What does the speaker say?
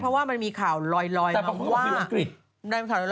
เพราะว่ามันมีข่าวลอยนำว่าแต่มึงออกไปอังกฤษ